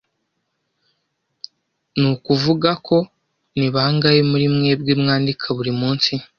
Nukuvugako, ni bangahe muri mwebwe mwandika buri munsi?